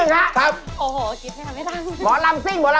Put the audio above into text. งั้นเหลือ๒ดอกเหมือนเดิม